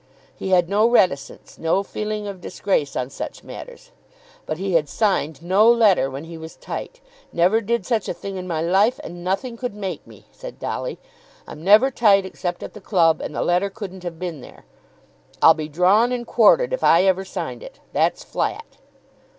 He had no reticence, no feeling of disgrace on such matters. But he had signed no letter when he was tight. "Never did such a thing in my life, and nothing could make me," said Dolly. "I'm never tight except at the club, and the letter couldn't have been there. I'll be drawn and quartered if I ever signed it. That's flat."